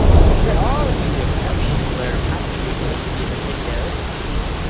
There are a few exceptions where passenger safety is an issue.